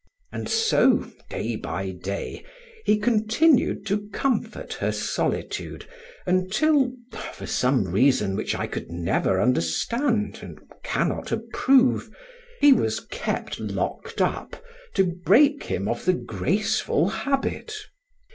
And so, day by day, he continued to comfort her solitude until (for some reason which I could never understand and cannot approve) he was kept locked up to break him of the graceful habit.